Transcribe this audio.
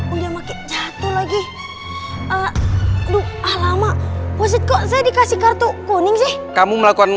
udah makin jatuh lagi aduh alamak wasit kok jadi kasih kartu kuning sih kamu melakukan